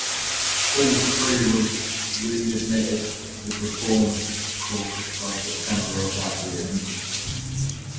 All three were readmitted to the Reform caucus by September of that year.